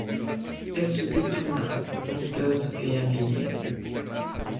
Elle se détourna honteuse et indignée.